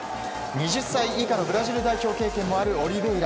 ２０歳以下のブラジル代表経験もあるオリベイラ。